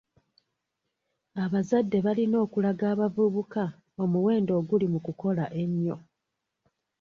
Abazadde balina okulaga abavubuka omuwendo oguli mu kukola ennyo.